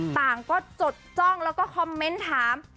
ต่างก็จดจ้องแล้วก็คอมเมนต์ถาม